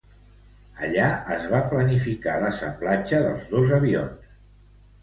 Allà es va planificar l'assemblatge dels dos avions.